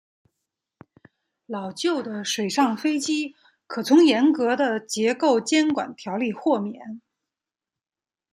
老旧的水上飞机可从严格的结构监管条例豁免。